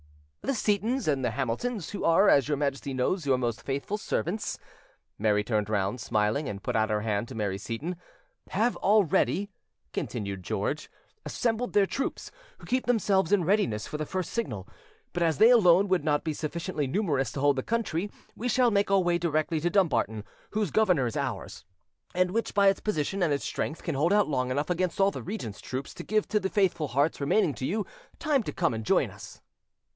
"The Seytons and the Hamiltons, who are, as your Majesty knows, your most faithful servants,"—Mary turned round, smiling, and put out her hand to Mary Seyton,—"have already," continued George, "assembled their troops, who keep themselves in readiness for the first signal; but as they alone would not be sufficiently numerous to hold the country, we shall make our way directly to Dumbarton, whose governor is ours, and which by its position and its strength can hold out long enough against all the regent's troops to give to the faithful hearts remaining to you time to come and join us."